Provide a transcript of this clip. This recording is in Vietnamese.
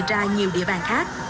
ra nhiều địa bàn khác